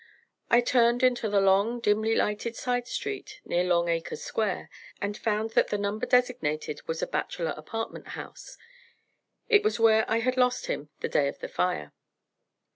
I turned into the long, dimly lighted side street near Long Acre Square, and found that the number designated was a bachelor apartment house. It was where I had lost him the day of the fire.